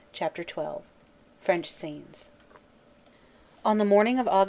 CHAPTER XII FRENCH SCENES ON the morning of Aug.